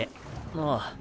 ああ。